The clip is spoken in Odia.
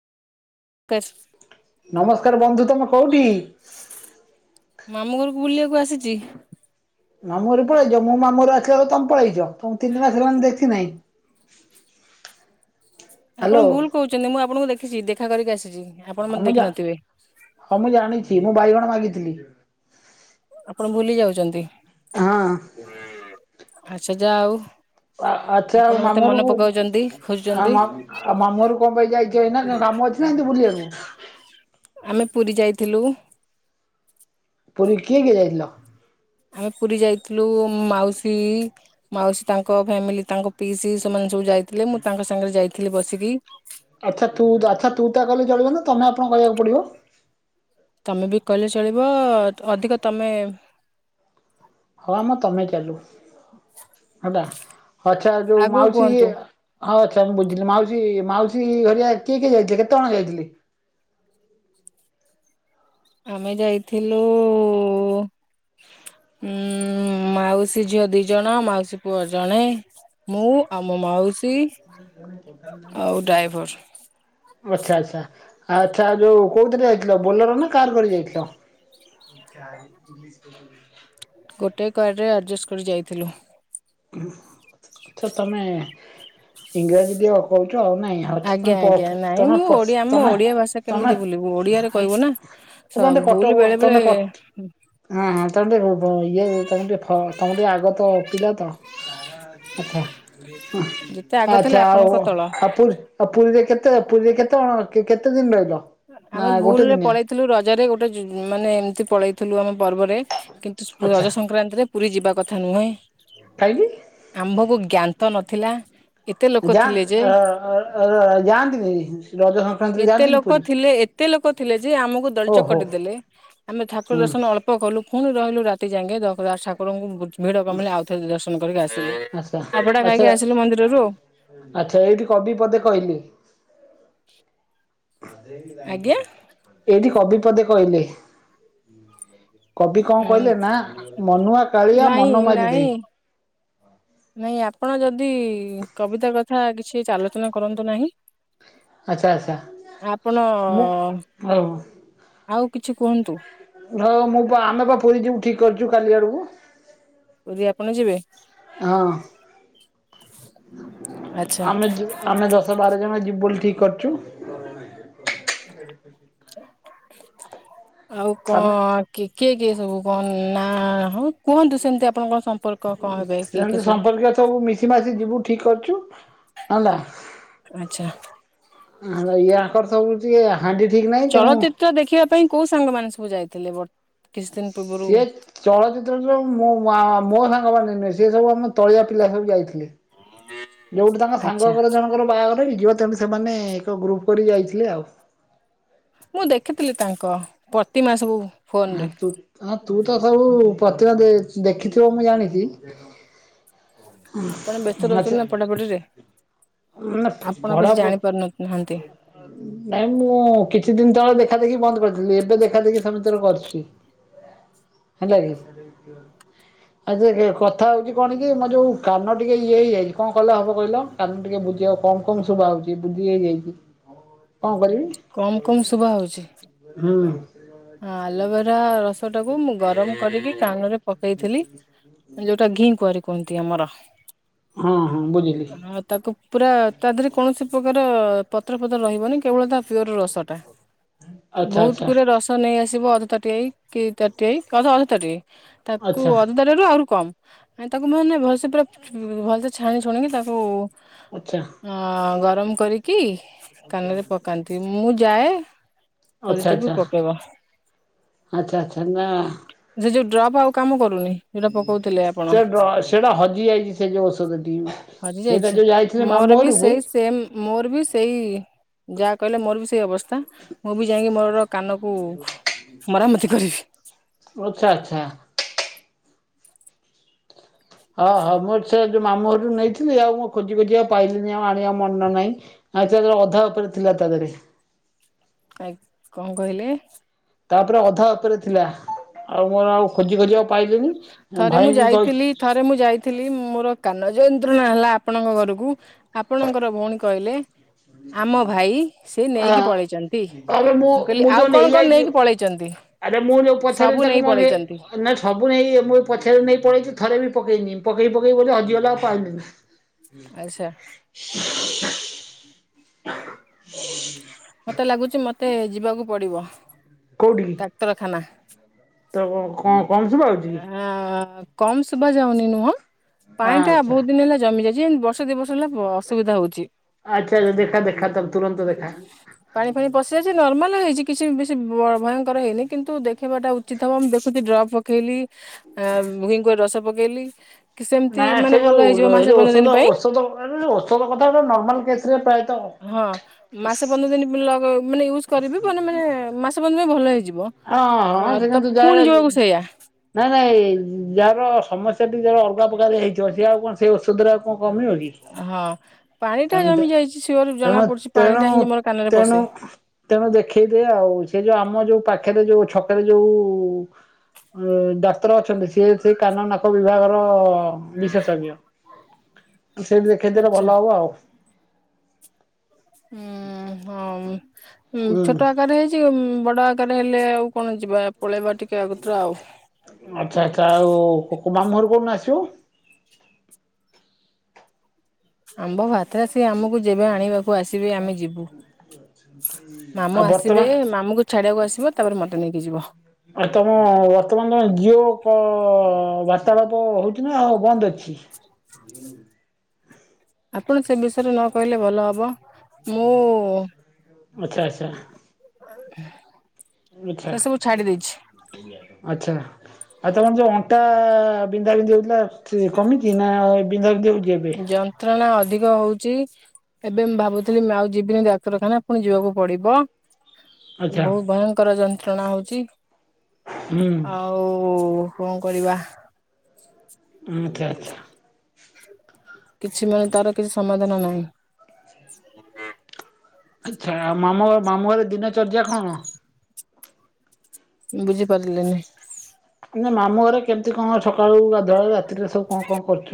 କାଶ ନମସ୍କାର ବନ୍ଧୁ ତମ କଉଠୀ? ମାମୁଁ ଘରକୁ ବୁଲିବାକୁ ଆସିଚି। ମାମୁଁ ଘର ପଳେଇଚ ମୁଁ ମାମୁଁ ର ଆସିବ ତମେ ପଳେଇ ମୁଁ ତିନି ମାସ ହେଲାଣି ଦେଖିନାହିଁ। [inaudible] ଆପଣ ଭୁଲ କହୁଛନ୍ତି ମୁଁ ଆପଣଙ୍କୁ [unintelligible] ଦେଖା କରିକି ଆସେ। ହଁ ମୁଁଁ ମୁଁ ଜାଣିଛି ମୁଁ ବାଇଗଣ ମାଗିଥିଲି। ଆପଣ ଭୁଲି ଯାଉଛନ୍ତି। ହଁ। ଆଚ୍ଛା ଯା ହଉ। ଆଚ୍ଛା ମାମୁଁ ଘରକୁ ଆଉ ଖୋଜୁଛନ୍ତି ମାମୁଁ ଘରକୁ କଣ ପାଇଁ ଯାଇଛ ଏଇନା କାମ ଅଛି ନା ଏମିତି ବୁଲିବାକୁ? [inaudible] ଆମେ ପୁରୀ ଯାଇଥିଲୁ। ପୁରୀ କିଏ କିଏ ଯାଇଥିଲ? ଆମେ ପୁରୀ ଯାଇଥିଲୁ ମାଉସୀ ମାଉସୀ ତାଙ୍କ ଫ୍ୟାମିଲି ତାଙ୍କ ପିଇସି ସେମାନେ ସବୁ ଯାଇଥିଲେ ମୁଁ ତାଙ୍କ ସାଙ୍ଗରେ ଯାଇଥିଲି। [unintelligible] ଆଚ୍ଛା ତୁ ଆଚ୍ଛା ତୁ ତା କଲେ ଚଳିବନି ତମେ ଆପଣ କହିବାକୁ ପଡିବ। ତମେ ବି କହିଲେ ଚଳିବ ଅଧିକ ତମେ ହଁ ମ ତମେ ଚାଲୁ। [unintelligible] ଆଚ୍ଛା ଯୋଉ ଆଗକୁ ମାଉସୀ କୁହନ୍ତୁ ହଁ ବୁଝିଲି ମାଉସୀ ମାଉସୀ ଘରିଆ କିଏ କିଏ ଯାଇଥିଲେ କେତେ କଣ ଯାଇଥିଲେ? ଆମେ ଯାଇଥିଲୁ ଉଁ ମାଉସୀ ଝିଅ ଦି ଜଣ ମାଉସୀ ପୁଅ ଜଣେ ମୁଁ ଆଉ ମୋ ମାଉସୀ। ଆଉ ଡ୍ରାଇଭର ଆଛା ଆଛା। ଆଚ୍ଛା ଯୋଉ କୋଉଥିରେ ଯାଇଥିଲ ବୋଲେର ନା କାର୍ କରି ଯାଇଥିଲ? ଗୋଟେ କାରରେ ଆଡ଼ଜଷ୍ଟ କରି ଯାଇଥିଲୁ। ଆଛା ତମେ ଇଂରାଜୀ ଦିଅ କହୁଛ ଆଉ ନାଇଁ ଆଚ୍ଛା ତମେ ଆଜ୍ଞା ପ ଆଜ୍ଞା ନାଇଁ ତମେ ମୁଁ ପସ ଓଡ଼ିଆ ଆମ ତମେ ଓଡିଆ ଭାଷା ତମେ କେମିତି ଭୁଲିବୁ ଓଡିଆରେ ଆ କହିବୁ ନା ତମେ ସ ଟିକେ କଟକ ଭୁଲ ବେଳେ ତମେ ବେଳେ କ ହଁ ହଁ ତମେ ଟିକେ ବ ଇଏ ତମେ ଟିକେ ଫ ତମେ ଟିକେ ଆଗ ତ ପିଲା ତ ଆଚ୍ଛା। ଯେତେ ଆଗ ଥିଲେ ଆଚ୍ଛା ଆଉ ଆପଣଙ୍କ ତଳ ଆଉ ପୁରୀ ପୁରୀରେ କେତେ କେତେ ପୁରୀରେ କେତେ କଣ କେତେ ଦିନ ରହିଲ? ନା ଆମେ ଗୋଟେ ଭୁଲରେ ଦିନିଆ ପଳେଇଥିଲୁ ରଜରେ ଗୋଟେ ଜି ମାନେ ଏମିତି ପଳେଇ ଥିଲୁ ଆମେ। ପର୍ବରେ କିନ୍ତୁ ଆଚ୍ଛା ରଜ ସଂକ୍ରାନ୍ତିରେ ପୁରୀ ଯିବା କଥା ନୁହେଁ। କାହିଁକି? ଆମ୍ଭକୁ ଜ୍ଞା ତ ନଥିଲା। ଏତେ ଲୋକ ଥିଲେ ଯାଆନ୍ତି ଯେ ଅ-ଅ-ଅ-ଅ ଯାଆନ୍ତିନି ରଜ ସଂକ୍ରାନ୍ତିରେ ଏତେ ଯାଆନ୍ତିନି। ଲୋକ ପୁରୀ? ଥିଲେ ଏତେ ଲୋକ ଥିଲେ ଯେ ଆମକୁ ଓହୋ ଦଳିଚକଟି ଦେଲେ ଆମେ ଠାକୁର ହୁଁ ଦର୍ଶନ ଅଳ୍ପ କଲୁ। ପୁଣି ରହିଲୁ ରାତି ଯାଙ୍କେ ଜଗନ୍ନାଥ ଠାକୁରଙ୍କୁ ବୁଝ୍ ଭିଡ଼ କମିଲେ ଆଉଥରେ ଦର୍ଶନ କରିକି ଆସିବି। ଆଛା ଆଛା ଆଛା ଏଇଠି କବି ପଦେ କହିଲି। ଆଜ୍ଞା ଏଇଠି କବି ପଦେ କହିଲେ କବି କଣ କହିଲେ ନା ମନୁଆ କାଳିଆ ନାଇଁ ମନ ମାରି ନାଇଁ ଦେଇ ନାଇଁ ଆପଣ ଯଦି କବିତା କଥା କିଛି ଆଲୋଚନା କରନ୍ତୁ ନାହିଁ। ଆଚ୍ଛା ଆଚ୍ଛା ଆପଣ ମୁଁ ହଉ। ଆଉ କିଛି କୁହନ୍ତୁ। ଧଳ ମୁଁ ବା ଆମେ ବା ପୁରୀ ଯିବୁ ଠିକ କରିଛୁ କାଲି ଆଡକୁ ପୁରୀ ଆପଣ ଯିବେ ହଁ ଆଚ୍ଛା। ଆମେ ଯିବୁ ଆମେ ଦଶ ବାର ଜଣ ଯିବୁ ବୋଲି ଠିକ୍ କରୁଛୁ। [inaudible] ଆଉ ଆମେ କଣ କି? କିଏ କିଏ ସବୁ କଣ ନା ହଁ କୁହନ୍ତୁ ସେମତି ଆପଣ କଣ ସମ୍ ସେମିତି ସମ୍ପର୍କୀୟ ସବୁ ମିଶି ମାସି ଯିବୁ ଠିକ କରୁଛୁ ହେଲା ଆଚ୍ଛା। ହେଲା ୟାଙ୍କର ସବୁ ଇଏୟା। ହାଣ୍ଡି ଠିକ ନାହିଁ ତେଣୁ ଚଳଚ୍ଚିତ୍ର ଦେଖିବା ପାଇଁ କୋଉ ସାଙ୍ଗମାନେ ସବୁ ଯାଇଥିଲେ ବର୍ତ ସିଏ ଚଳଚ୍ଚିତ୍ରରେ ଯୋଉ ମୋ ମା-ଆ ସାଙ୍ଗମାନେ ନୁହେଁ। ସେ ସବୁ ଆମ ତଳିଆ ପିଲା ସବୁ ଯାଇଥିଲେ। ଲେ ଯୋଉଠି ତାଙ୍କ ଆଚ୍ଛା ସାଙ୍ଗ ଘର ଜଣଙ୍କର ବାହାଘର କେମିତି ଯିବ ତମେ ସେମାନେ ଏକ ଗ୍ରୁପ କରିିକି ଯାଇଥିଲେ ଆଉ ମୁଁ ଦେଖିଥିଲି ତାଙ୍କ ପ୍ରତିମା ସବୁ ଆ ଫୋନରେ ତୁ ହଁ ତୁ ତ ସବୁ ପ୍ରତିିବା ଦେଖିଥିବ ମୁଁ ଜାଣିଛି। ଆପଣ ବ୍ୟସ୍ତ ରହୁଛନ୍ତି ଆଛା ନା ପଢାପଢିରେ ମ ଆପଣ କିଛି ପଢ଼ା ଜାଣି ପାରୁନହାନ୍ତି ନାଇଁ ମୁଁ କିଛି ଦିନ ତଳେ ଦେଖା ଦେଖି ବନ୍ଦ କରିଥିଲି ଏବେ ଦେଖା ଦେଖି ସମତଲ କରୁଛି। ହେଲା କି ଆଯେ କଥା ହଉଛି କଣ କି ମୋ ଯୋଉ କାନ ଟିକେ ଇଏ ହେଇଯାଇଛି କଣ? କଲେ ହେବ କିହୀଲ କନ ଟିକେ ବୁଝିବାକୁ। କମ କମ ଶୁଭା ହଉଛି ବୁଧି ହେଇଯାଇଛି। କଣ କରିବି କମ ହୁଁ। ହଁ ଆଲବରା ରସ ଛଟା କୁ ଗରମ କରିକି କାନ ରେ ପକେଇଥିଲି ଯୋଉଟା ଘି କୁଆରି। କୁହନ୍ତି ଆମର। ହଁ ହଁ ବୁଝିଲି ଆଉ ତାକୁ ପୁରା ତା ଦେହରେ କୌଣସି ପତ୍ର ପତ୍ର ରହିବନି କେବଳ ତା ପିଓର ରସ ଟା। ଆଚ୍ଛା ବହୁତ ଗୁରେ ରସ ନେଇ ଆସିବ ଅଧ ତାଟିଇ କି ତାଟିଇ ଅଧ ତାଟିଇ। ତାକୁ ଆଚ୍ଛା ଆଚ୍ଛା ଅନ୍ଧାର ରୁ ଆଉ କମ ଆ ତାକୁ ଭଲସେ ପୁରା ଭଲ ସେ ଛାଣି ଛୁଣିକି ତାକୁ ଆଚ୍ଛା ହଁ ଗ ରମ୍ କରିକି କାନରେ ପକାନ୍ତି। ମୁଁ ଯାଏ। ଆଚ୍ଛା କରିଦେବି ଆଚ୍ଛା। [unintelligible] ଆଚ୍ଛା ଆଚ୍ଛା ନା ସେ ଯଉ ଡ୍ରପ ଆଉ କାମ କରୁ ସେ ଡ୍ର ସେଟା ହଜି ଯାଇଛି ସେ ଯୋଉ ଔଷଧ ଟି ହଜି ସେଇଟା ଯାଇଛି ଯୋଉ ଯାଇଥିଲେ ମୋର ମାମୁଁ ବି ଘରକୁ। ସେଇ ସେମ୍ ମୋର ବି ସେଇ ଯାହା କଇଲେ ମୋର ବି ସେଇ ଅବ ସ୍ତା ମୁଁ ବି ଯାଇକି ମୋର କାନକୁ ମରାମତି କରିବି। ଆଚ୍ଛା ଆଚ୍ଛା ହଁ ହଁ ମୋର ସେ ଯୋଉ ମାମୁ ଘର କୁ ନେଇଥିଲି ଆଉ ମୁଁ ଖୋଜି ଖୋଜି ଆଉ ପାଇଲିନି ଆଉ ଆଣିବା ମନ ନାହିଁ ଆଛା ଯୋଉ ଅଧା ଉପରେ ଥିଲା ତା ଦେହରେ। ଆ କଣ କହିଲେ? ତା ଉପରେ ଅଧା ଉପରେ ଥିଲା ଆଉ ମୋର ଆଉ ଖୋଜି ଖୋଜିି ଥରେ ମୁଁ ଯାଇଥିଲି ଥରେ ମୁଁ ଯାଇଥିଲି ମୋର କାନ ଜୟନ୍ତ ହେଲା ଆପଣଙ୍କ ଘରକୁ ଆପଣଙ୍କର ଭଉଣୀ କହିଲେ? ଆମ ଭାଇ ସେ ନେଇକି ଆଁ ପଳେଇଚନ୍ତି ଆରେ ମୁଁ କଇଲି ଆଉ ଯୋଉ କଣ କଣ ନେଇକି ନେଇଯାଇଛି ପଳେଇଚନ୍ତି ଆରେ ମୁଁ ଯୋଉ ପଛରେ ସବୁ ତାକୁ ନେଇ ମଗେ ପଳେଇଚନ୍ତି। ନା ସବୁ ନେଇ ମୁଁ ପଛରେ ନେଇ ପଳେଇଛି ଥରେ ବି ପକେଇନି ପକେଇ ପକେଇ ବ ହଜିଗଲା ଆଉ ପାଇଲିନି। ଆଚ୍ଛା। ହ [unintelligible] ମତେ ଲାଗୁଚି ମତେ ଯିବାକୁ ପଡିବ। କୋଉଠିକି ଡାକ୍ତରଖାନା। ତ କଣ? କଂସ ପା ହଉଛି କି? ଅ କମ୍ ଶୁବା ଯାଉନି ନୁହଁ ପାଣିଟା ଆଚ୍ଛା ବହୁତ ଦିନ ହେଲା ଜମି ଯାଇଛି। ଯେ ବର୍ଷ ଦିଇ ବର୍ଷ ହେଲା ଅସୁବିଧା ହଉଛି। ଆଚ୍ଛାଛା ଦେଖା ଦେଖା ତ ତୁରନ୍ତ ଦେଖା। ପାଣି ଫାଣି ପଶି ଯାଇଛି ନର୍ମାଲ ହେଇଛି କିଛି ବି ବେଶୀ ବ ଭୟଙ୍କର ହେଇନି କିନ୍ତୁ ଦେଖିବାଟା ଉଚିତ ହେବ ମୁଁ ଦେଖୁଛି ଡ୍ରପ୍। ପକେଇଲି ଆ ଭହିଙ୍କୁ ରସ ପକେଇଲି। କି ସେମିତି ନାାଇ ମାନେ ସେ ଭଲ ଯୋଉ ହେଇଯିବ ଏ ମାସେ ଯଉ ପନ୍ଦର ଦିନ ଔଷଧ ପାଇଁ ଔଷଧ ଔଷଧ କଥା ନର୍ମାଲରେ ପ୍ରାୟତ ହଁ ମାସେ ପନ୍ଦର ଦିନ ମାନେ ୟୁଜ କରିବି ମାନେ ମାନେ ମାସ ପର୍ଯ୍ୟନ୍ତ। ଭଲ ହେଇଯିବ। ହଁ ହଁ ସେ ତ କିନ୍ତୁ ଯାହାର ପୁଣି ଯୋଉଆକୁ ସେଇଆା। ନାଇଁ ନାଇଁ। ଯାହାର ସମସ୍ୟା ଟ ଯା ଅଲଗା ପ୍ରକାରାରେ ହେଇଛି ସେ ଆଉ କଣ ସେଇ ଷଧରେ ଆଉ କଣ? କମିବ କି ହଁ ପାଣି ଟା ତେଣ ଜମି ଯାଇଛି ସିଓର ଜଣା ତେଣୁ ପଡୁଛି ପାଣି ତେଣୁ ଟା ହିଁ ମୋର କାନରେ ତେଣୁ ପଶେ ତେଣୁ ଦେଖେଇଦିଏ ଆଉ ସେ ଯୋଉ ଆମ ଯୋଉ ପାଖରେ ଯୋଉ ଛକରେ ଯୋଉ ଡାକ୍ତର ଅଛନ୍ତି ସିଏ ସେ କାନ ନାକ ବିଭାଗର। ବିଶେଷଜ୍ଞ। ସେଇଠି ଦେଖେଇଦେଲେ ଆଚ୍ଛା ଭଲ ହବ ଆଉ ହୁଁ ହଉ। ଉଁ ହୁଁ ଛୋଟ ଆକାର ହେଇଛି ବଡ ଆକାର ଦର ହେଲେ ଆଉ କଣ ଯିବା ପଳେଇବା ଟିକେ ଆଗତ୍ର ଆଉ ଆଛା ଆଚ୍ଛା ଆଉ ମାମୁଁ ଘର କଠୁ ଆସିବୁ ଆମ୍ବ ଭାତରେ ସେ ଆମକୁ ଯେବେ ଆଣିବାକୁ ଆସିବେ ଆମେ ଯିବୁ ଆଉ ମାମୁଁ ଆସିବେ ବର୍ତ୍ତମାନ ମାମୁଁଙ୍କୁ ଛାଡିବାକୁ ଆସିବେ ତାପରେ ମତେ ତେକ କି ଯିବ? ଆଉ ତମ ବର୍ତ୍ତମାନ ତମେ ଝିଅ କ ବାର୍ତ୍ତାଳାପ ହଉଛି ନା ଆଉ ବନ୍ଦ ଅଛି। [inaudible] ଆପଣ ସେ ବିଷୟରେ ନ କହିଲେ ଭଲ ହବ। ମୁଁ ଆଛା ଆଚ୍ଛା। ହଁ। ଆଛା ଆଛା ଆ ତମର ଯୋଉ ଅଣ୍ଟା ବିନ୍ଧା ବିନ୍ଧି ଯଉଥିଲା ସେ କମିଛି ନା ବିନ୍ଧା ବିନ୍ଧ ହୋ ଯନ୍ତ୍ରଣା ଅ ଅଧିକ ହଉଛି ଏବେ ମୁଁ ଭାବୁଥିଲି ମୁଁ ଆଉ ଯିବିନି ଡାକ୍ତରଖାନା ପୁଣି ଯିବାକୁ ପଡିବ। ଆଚ୍ଛା ବହୁତ ଭୟଙ୍କର ଜନ୍ ନ୍ତ୍ରଣା ହଉଛି। ହୁଁ ଆଉ ଉ ଉ କଣ କରିବା? ଆଚ୍ଛା ଆଚ୍ଛା। କିଛି ମାନେ ତାର କିଛି ସମାଧାନ ନାହିଁ। ଆଚ୍ଛା ମାମା ବା ମାମୁଁ ଘରେ ଦିନ ଚର୍ଯ୍ୟା କଣ? ବୁଝିପାରିଲିନି। ମାମୁଁ ଘରେ କେମିତି କଣ ସକାଳୁ ଗାଧ୍ ଦଳ ରାତିରେ ସବୁ କଣ କଣ କରୁଛୁ।